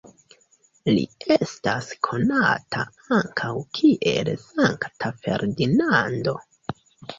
Li estas konata ankaŭ kiel Sankta Ferdinando.